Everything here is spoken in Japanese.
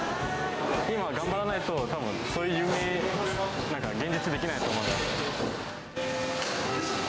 今、頑張らないと、たぶんその夢、なんか実現できないと思います。